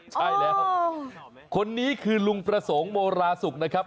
ใช่แล้วคนนี้คือลุงประสงค์โมราสุกนะครับ